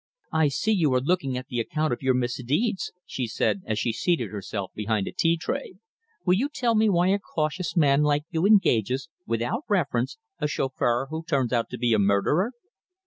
"I see you are looking at the account of your misdeeds," she said, as she seated herself behind a tea tray. "Will you tell me why a cautious man like you engages, without reference, a chauffeur who turns out to be a murderer?"